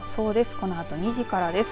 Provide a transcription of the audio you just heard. このあと２時からです。